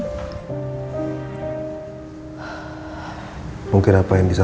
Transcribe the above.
ibu kilim perpielih